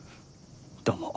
どうも。